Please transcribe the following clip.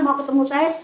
mau ketemu saya